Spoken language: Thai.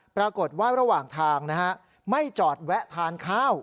ปรากฏว่าระหว่างทางไม่จอดแวะทานข้าว